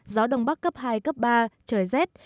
gió đông bắc cấp hai cấp ba trời rét